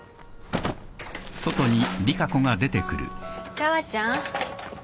・紗和ちゃん。